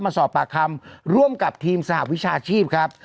มาสอบปากคำร่วมกับทีมสหวิชาชีพครับ